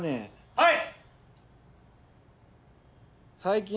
はい！